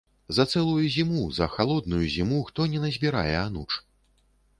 За цэлую зіму, за халодную зіму, хто не назбірае ануч?